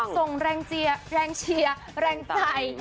ส่งแรงเจียแรงเชียแรงใจ